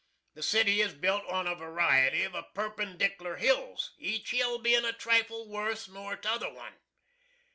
The city is bilt on a variety of perpendicler hills, each hill bein' a trifle wuss nor t'other one.